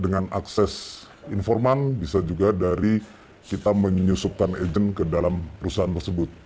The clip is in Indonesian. proses informan bisa juga dari kita menyusupkan agen ke dalam perusahaan tersebut